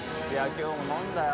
今日も飲んだよ